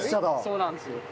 そうなんですよ。